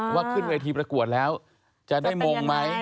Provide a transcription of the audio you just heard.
ขึ้นเวทีประกวดแล้วจะได้มงไหม